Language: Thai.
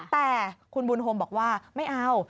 แต่คุณบุญโฮมบอกว่าไม่เอา